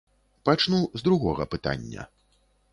Пачну з другога пытання.